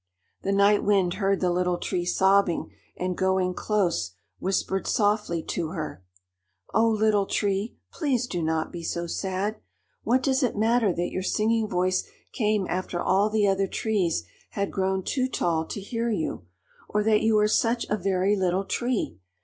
The Night Wind heard the Little Tree sobbing, and going close, whispered softly to her: "Oh, Little Tree, please do not be so sad. What does it matter that your singing voice came after all the other trees had grown too tall to hear you, or that you are such a very little tree?